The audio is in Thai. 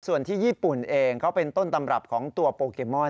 ส่วนที่ญี่ปุ่นเองเขาเป็นต้นตำรับของตัวโปเกมอน